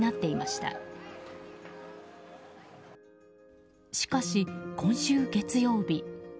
しかし、今週月曜日。